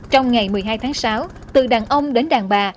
trong ngày một mươi hai tháng sáu từ đàn ông đến đàn bà